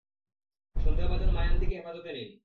সন্দেহভাজন মায়ানদিকে হেফাজতে নিন।